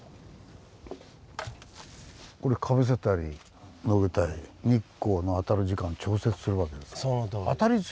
これかぶせたりのけたり日光の当たる時間調節するわけですか。